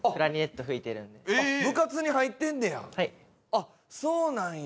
あっそうなんや。